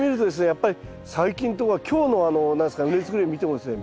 やっぱり最近とか今日の何ですか畝づくり見てもですね